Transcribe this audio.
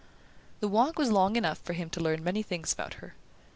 The walk was long enough for him to learn many things about her.